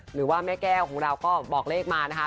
หรือว่าแม่แก้วของเราก็บอกเลขมานะคะ